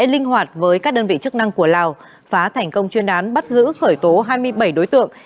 linh hoạt với các đơn vị chức năng của lào phá thành công chuyên án bắt giữ khởi tố hai mươi bảy đối tượng